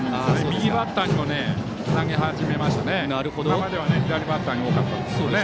右バッターにも投げ始めましたね。